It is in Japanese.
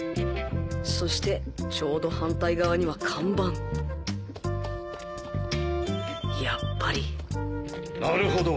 そしてちょうど反対側には看板やっぱりなるほど！